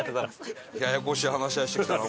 ややこしい話し合いしてきたな。